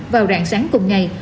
vào rạng sáng cùng ngày